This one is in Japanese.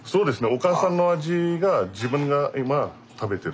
お母さんの味が自分が今食べてる。